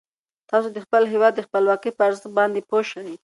تاسو د خپل هیواد د خپلواکۍ په ارزښت باندې پوه شئ.